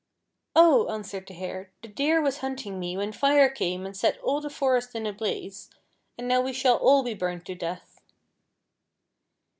"Oh!" answered the Hare, "the Deer was hunting me when Fire came and set all the forest in a blaze, and now we shall all be burned to death."